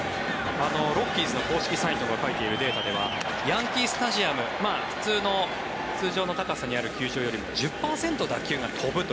ロッキーズの公式サイトが書いているデータではヤンキー・スタジアム通常の高さにある球場よりも１０％打球が飛ぶと。